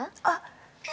あっ。